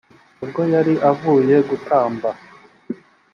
ubwo yari avuye gutamba